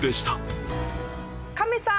カメさん！